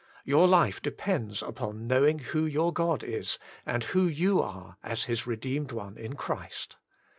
Your life depends upon knowing who your God is, AND Who You Are as His Redeemed One IN Christ.